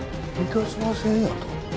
「致しません」やと？